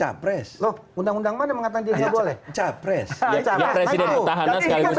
ya presiden tahanan sekali ucapkan